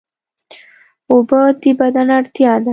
اوبه د بدن اړتیا ده